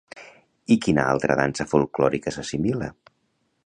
A quina altra dansa folklòrica s'assimila?